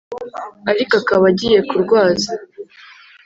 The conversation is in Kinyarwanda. ariko akaba agiye kurwaza